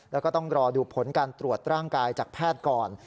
แล้วก็ต้องรอดูผลการตรวจร่างกายจากแพทย์ก่อน